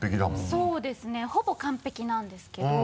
そうですねほぼ完璧なんですけど。